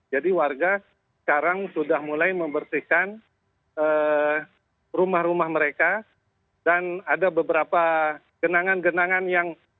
jadi warga sekarang sudah mulai membersihkan rumah rumah mereka dan ada beberapa genangan genangan yang berada di luar